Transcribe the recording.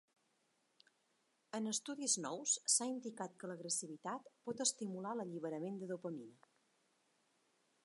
En estudis nous s'ha indicat que l'agressivitat pot estimular l'alliberament de dopamina.